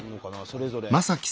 それぞれ。